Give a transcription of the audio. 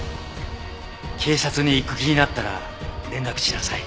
警察に行く気になったら連絡しなさい。